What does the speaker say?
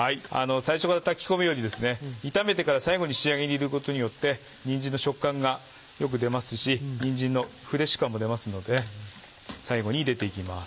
最初から炊き込むより炒めてから最後に仕上げに入れることによってにんじんの食感がよく出ますしにんじんのフレッシュ感も出ますので最後に入れていきます。